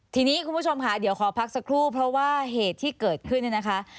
ทีนี้คุณผู้ชมค่ะเดี๋ยวขอพักสักครู่เพราะว่าเหตุที่เกิดขึ้นเนี่ยนะคะ